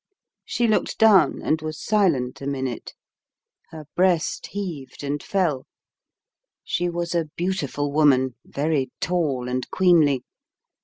She looked down and was silent a minute. Her breast heaved and fell. She was a beautiful woman, very tall and queenly.